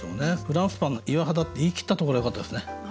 「フランスパンの岩肌」って言い切ったところがよかったですね。